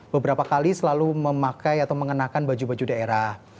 beberapa kali selalu memakai atau mengenakan baju baju daerah